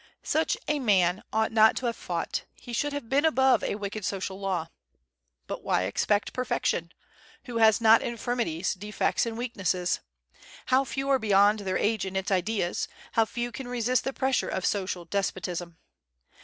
Such a man ought not to have fought; he should have been above a wicked social law. But why expect perfection? Who has not infirmities, defects, and weaknesses? How few are beyond their age in its ideas; how few can resist the pressure of social despotism!